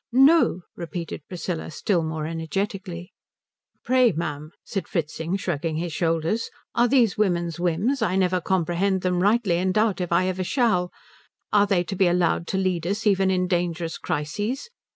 "No," repeated Priscilla, still more energetically. "Pray ma'am," said Fritzing, shrugging his shoulders, "are these women's whims I never comprehended them rightly and doubt if I ever shall are they to be allowed to lead us even in dangerous crises?